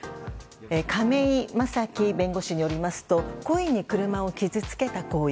亀井正貴弁護士によりますと故意に車を傷つけた行為